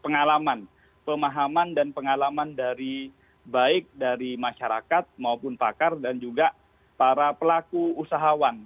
pengalaman pemahaman dan pengalaman dari baik dari masyarakat maupun pakar dan juga para pelaku usahawan